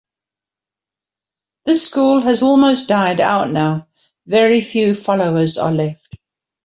This school has almost died out now; very few followers are left.